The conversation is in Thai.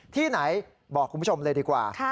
ที่ไหนบอกคุณผู้ชมเลยดีกว่า